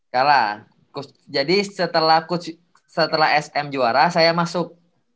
kalah jadi setelah sm juara saya masuk